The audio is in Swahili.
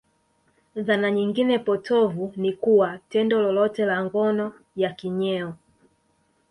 Dhana nyingine potovu ni kuwa tendo lolote la ngono ya kinyeo